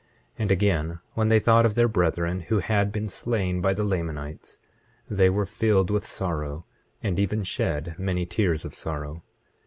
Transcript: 25:9 And again, when they thought of their brethren who had been slain by the Lamanites they were filled with sorrow, and even shed many tears of sorrow.